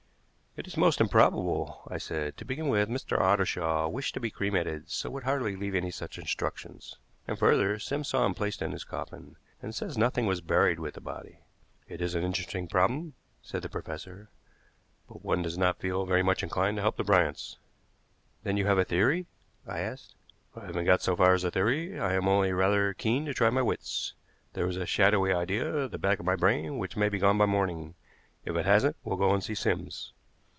"It is most improbable," I said. "To begin with, Mr. Ottershaw wished to be cremated, so would hardly leave any such instructions. And, further, Sims saw him placed in his coffin, and says nothing was buried with the body." "It is an interesting problem," said the professor; "but one does not feel very much inclined to help the Bryants." "Then you have a theory?" I asked. "I haven't got so far as theory; I am only rather keen to try my wits. There is a shadowy idea at the back of my brain which may be gone by morning. If it hasn't, we'll go and see Sims."